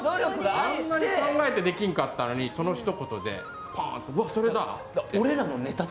あんなに考えてできんかったのにあのひと言でポーンと、それだ！と。